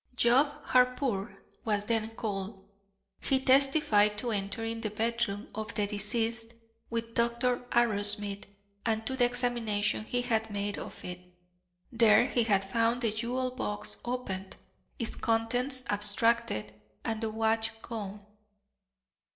Job Harpur was then called. He testified to entering the bedroom of the deceased with Dr. Arrowsmith, and to the examination he had made of it. There he had found the jewel box opened, its contents abstracted, and the watch gone.